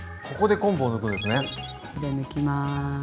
ここで抜きます。